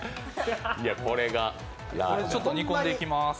ちょっと煮込んでいきます。